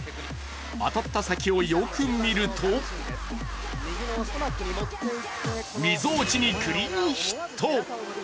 当たった先をよく見るとみぞおちにクリーンヒット。